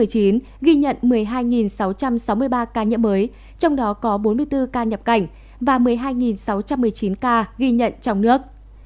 ghi nhận một mươi hai sáu trăm sáu mươi ba ca nhiễm mới trong đó có bốn mươi bốn ca nhập cảnh và một mươi hai sáu trăm một mươi chín ca ghi nhận trong nước